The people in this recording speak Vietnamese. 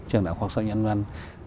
trường đại học khoa học xã hội và nhân văn